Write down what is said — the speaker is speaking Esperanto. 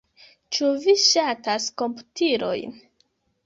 Ĉu vi ŝatas komputilojn?